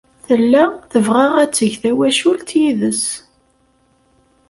Tella tebɣa ad teg tawacult yid-s.